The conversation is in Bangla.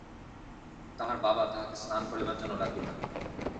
তাহার বাবা তাহাকে স্নান করিবার জন্য ডাকিল।